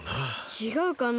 ちがうかな。